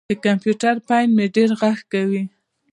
د کمپیوټر فین مې ډېر غږ کوي.